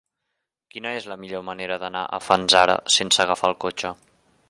Quina és la millor manera d'anar a Fanzara sense agafar el cotxe?